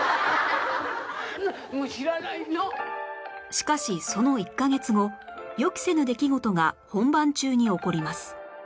しかしその１カ月後予期せぬ出来事が本番中に起こります